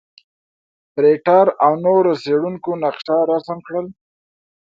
فرېټر او نورو څېړونکو نقشه رسم کړل.